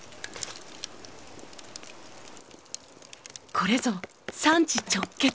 これぞ産地直結。